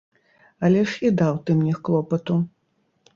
Але ж і даў ты мне клопату.